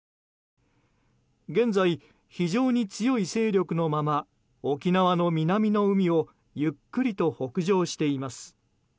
現在、非常に強い勢力のまま沖縄の南の海をゆっくりと北上しています。